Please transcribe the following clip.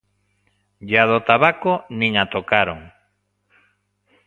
E a do tabaco nin a tocaron.